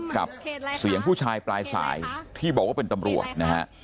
กับเสียงผู้ชายปลายสายที่บอกว่าเป็นตำรวจนะฮะ